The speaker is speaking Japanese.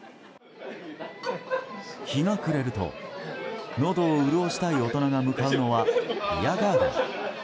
日が暮れると、のどを潤したい大人が向かうのはビアガーデン。